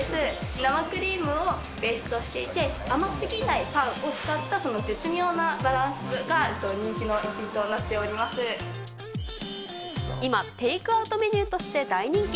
生クリームをベースとしていて、甘すぎないパンを使った絶妙なバランスが人気の一品となっており今、テイクアウトメニューとして大人気。